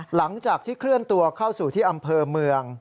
หลังจากที่เคลื่อนตัวเข้าสู่ที่อำเภอเมือง